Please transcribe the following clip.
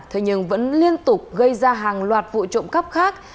thế nhưng vẫn liên tục gây ra hàng loạt vụ trộm cắp khác